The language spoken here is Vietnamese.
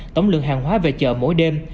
tổng lượng hàng hóa về chợ mỗi đêm